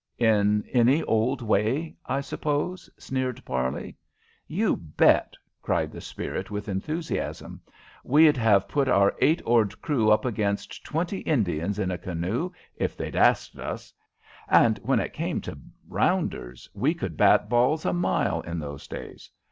"In any old way, I suppose?" sneered Parley. "You bet!" cried the spirit, with enthusiasm. "We'd have put our eight oared crew up against twenty Indians in a canoe, if they'd asked us; and when it came to rounders, we could bat balls a mile in those days.